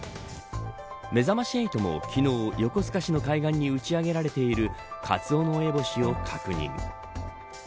めざまし８も、昨日横須賀市の海岸に打ち上げられているカツオノエボシを確認。